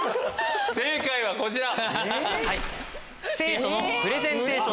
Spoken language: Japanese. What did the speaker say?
正解はこちら。